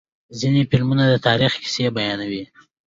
ځینې فلمونه د تاریخ کیسې بیانوي.